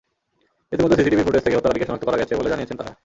ইতিমধ্যে সিসিটিভির ফুটেজ থেকে হত্যাকারীকে শনাক্ত করা গেছে বলে জানিয়েছে তারা।